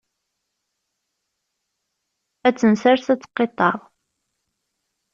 Ad tt-nessers ad teqqiṭṭer.